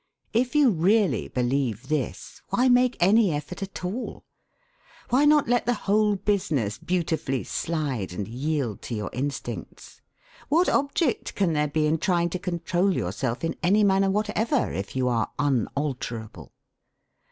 If you really believe this, why make any effort at all? Why not let the whole business beautifully slide and yield to your instincts? What object can there be in trying to control yourself in any manner whatever if you are unalterable?